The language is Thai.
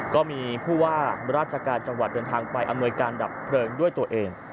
ก็มีผู้ว่าราชการจังหวัดเดินทางไปอำนวยการดับเพลิงด้วยตัวเอง